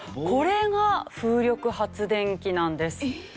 これが風力発電機なんです。